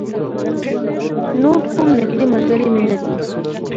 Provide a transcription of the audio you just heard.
نور کوم نږدې ملگری مې نه دی.